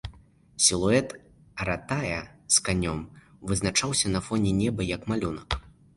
Сілуэт аратая з канём вызначаўся на фоне неба, як малюнак.